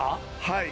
はい。